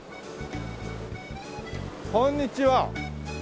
こんにちは。